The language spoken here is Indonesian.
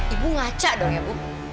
ibu ngaca dong ya bu